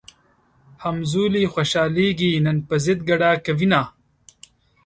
همزولي خوشحالېږي نن پۀ ضد ګډا کوينه